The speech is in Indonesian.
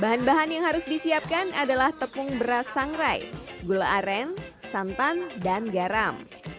bahan bahan yang harus disiapkan adalah tepung beras sangrai gula aren santan dan garam